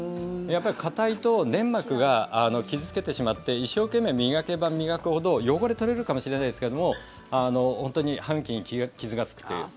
やっぱり硬いと粘膜を傷付けてしまって一生懸命、磨けば磨くほど汚れ取れるかもしれないですけど歯茎に傷がつくという。